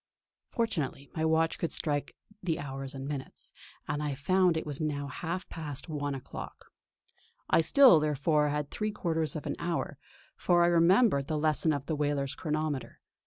Fortunately my watch could strike the hours and minutes, and I found it was now half past one o'clock. I still, therefore, had three quarters of an hour, for I remembered the lesson of the whaler's chronometer.